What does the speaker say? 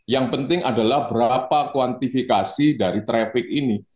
yang penting adalah berapa kuantifikasi dari traffic ini